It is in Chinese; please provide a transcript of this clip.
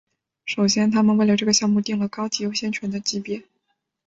首先他们为这个项目订了高级优先权的级别。